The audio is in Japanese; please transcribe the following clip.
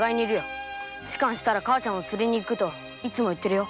仕官したら母ちゃんを連れに行くといつも言ってるよ。